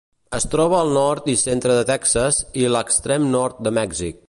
Es troba al nord i centre de Texas, i a l'extrem nord de Mèxic.